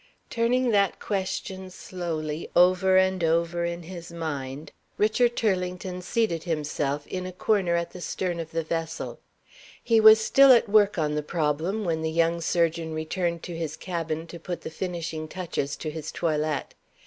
Turning that question slowly over and over in his mind, Richard Turlington seated himself in a corner at the stern of the vessel. He was still at work on the problem, when the young surgeon returned to his cabin to put the finishing touches to his toilet.